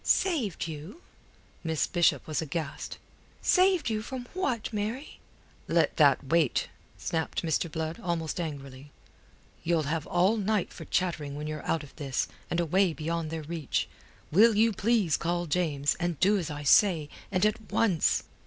"Saved you?" Miss Bishop was aghast. "Saved you from what, Mary?" "Let that wait," snapped Mr. Blood almost angrily. "You've all the night for chattering when you're out of this, and away beyond their reach. Will you please call James, and do as I say and at once!"